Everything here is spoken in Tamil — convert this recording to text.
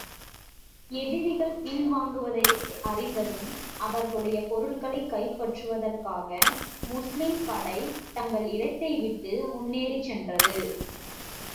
எதிரிகள் பின் வாங்குவதை அறிந்ததும் அவர்களுடைய பொருள்களைக் கைப்பற்றுவதற்காக, முஸ்லிம் படை தங்கள் இடத்தை விட்டு முன்னேறிச் சென்றது.